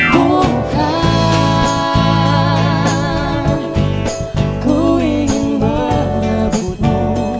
bukan ku ingin merebutku